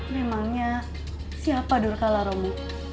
memangnya siapa durkala romo